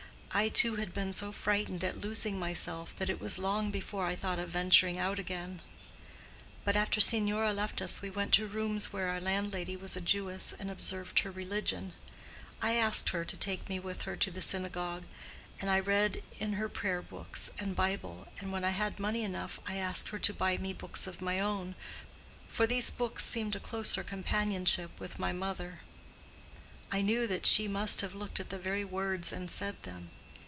I too had been so frightened at losing myself that it was long before I thought of venturing out again. But after Signora left us we went to rooms where our landlady was a Jewess and observed her religion. I asked her to take me with her to the synagogue; and I read in her prayer books and Bible, and when I had money enough I asked her to buy me books of my own, for these books seemed a closer companionship with my mother: I knew that she must have looked at the very words and said them.